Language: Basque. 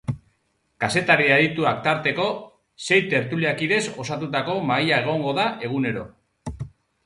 Kazetari adituak tarteko, sei tertuliakidez osatutako mahaia egongo da egunero.